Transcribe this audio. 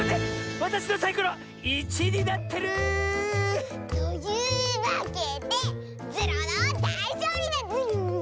わたしのサイコロ１になってる！というわけでズルオのだいしょうりだズル！